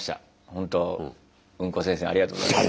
ほんとうんこ先生ありがとうございます。